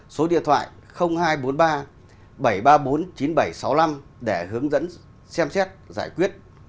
số điện thoại hai trăm bốn mươi ba bảy trăm ba mươi bốn chín nghìn bảy trăm sáu mươi năm để hướng dẫn xem xét giải quyết